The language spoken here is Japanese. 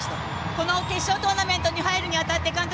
この決勝トーナメントに入るにあたって監督